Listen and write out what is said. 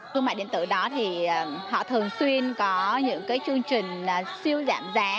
thương mại điện tử đó thì họ thường xuyên có những cái chương trình siêu giảm giá